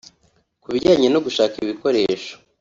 Kubijyanye no gushaka ibikoresho